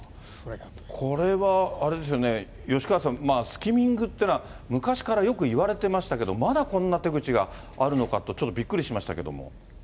これはあれですよね、吉川さん、スキミングっていうのは、昔からよくいわれてましたけど、まだこんな手口があるのかと、ちょっとびっくりしましたけれども。